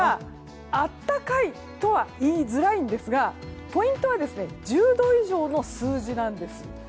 暖かいとは言いづらいんですがポイントは１０度以上の数字なんです。